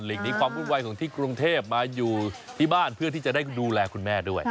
หนีความวุ่นวายของที่กรุงเทพมาอยู่ที่บ้านเพื่อที่จะได้ดูแลคุณแม่ด้วย